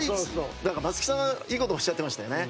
松木さんがいいことをおっしゃっていましたよね。